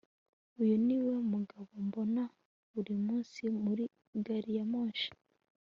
uyu niwe mugabo mbona buri munsi muri gari ya moshi